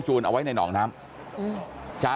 กลับไปลองกลับ